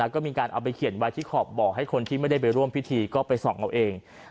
ก็มีการเอาไปเขียนไว้ที่ขอบบ่อให้คนที่ไม่ได้ไปร่วมพิธีก็ไปส่องเอาเอง